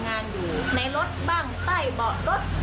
มีการทะเลาะกันบ้างมั้ยครับ